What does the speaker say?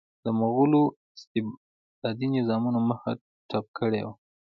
د مغولو استبدادي نظامونو مخه ډپ کړې وه.